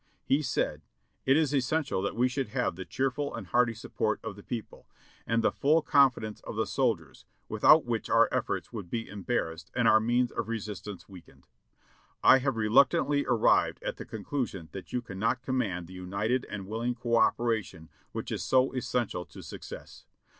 He said : "It is essential that we should have the cheerful and hearty sup port of the people, and the full confidence of the soldiers, without which our efforts would be embarrassed and our means of resistance weakened. I have reluctantly arrived at the conclusion that you cannot command the united and willing co operation which is so es sential to success.